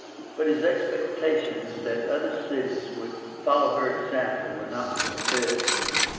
But his expectations that other cities would follow her example were not fulfilled.